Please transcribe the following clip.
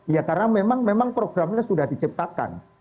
ya karena memang programnya sudah diciptakan